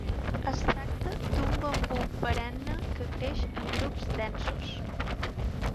Es tracta d'un bambú perenne que creix en grups densos.